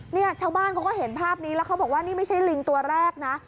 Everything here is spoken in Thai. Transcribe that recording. เนี่ยชาวบ้านเขาก็เห็นภาพนี้แล้วเขาบอกว่านี่ไม่ใช่ลิงตัวแรกนะ